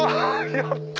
やった！